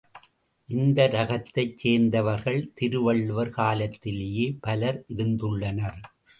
இந்த ரகத்தைச் சேர்ந்தவர்கள் திருவள்ளுவர் காலத்திலேயே பலர் இருந்துள்ளனர்.